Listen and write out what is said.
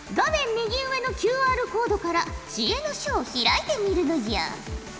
右上のＱＲコードから知恵の書を開いてみるのじゃ。